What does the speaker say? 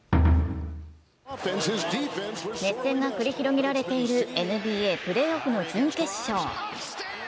熱戦が繰り広げられているＮＢＡプレーオフの準決勝。